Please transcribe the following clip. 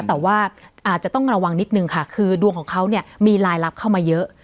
แต่ว่าอาจจะต้องระวังนิดนึงค่ะคือดวงของเขาเนี่ยมีรายลับเข้ามาเยอะ